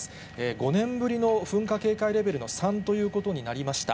５年ぶりの噴火警戒レベルの３ということになりました。